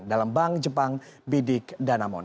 dalam bank jepang bidik danamon